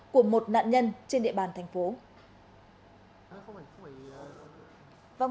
vào ngày hôm nay nguyễn văn long đã trở lại thành phố hải phòng